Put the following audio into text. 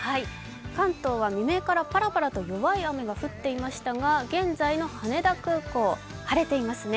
関東は未明からぱらぱらと弱い雨が降っていましたが現在の羽田空港、晴れていますね。